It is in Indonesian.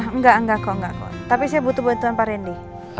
enggak kok tapi saya butuh bantuan pak randy